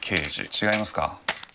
違いますか？